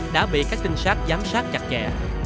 đã bị các tinh sát giám sát chặt chẽ